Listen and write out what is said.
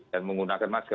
dan menggunakan masker